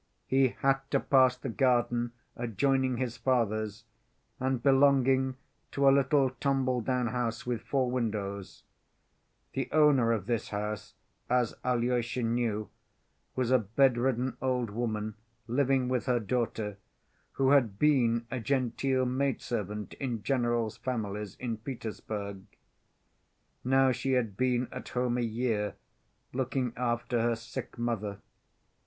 He had to pass the garden adjoining his father's, and belonging to a little tumbledown house with four windows. The owner of this house, as Alyosha knew, was a bedridden old woman, living with her daughter, who had been a genteel maid‐servant in generals' families in Petersburg. Now she had been at home a year, looking after her sick mother.